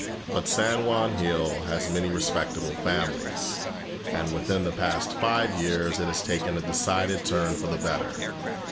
But San Juan Hill has many respectable families, and within the past five years it has taken a decided turn for the better.